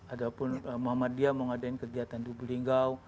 ada pun muhammad diyah mengadain kegiatan di lubuk tinggal